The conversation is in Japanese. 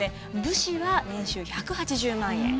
武士は年収１８０万円。